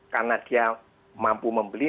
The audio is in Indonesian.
karena dia mampu membeli